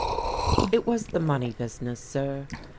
" It was the money business, sir.